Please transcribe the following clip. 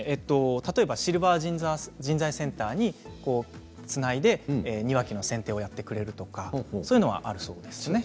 例えばシルバー人材センターにつないで庭木のせんていをやってくれるとかそういうことがあるそうです。